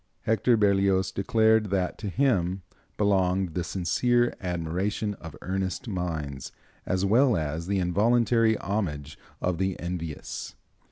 Hector Berlioz declared that to him belonged "the sincere admiration of earnest minds, as well as the involuntary homage of the envious."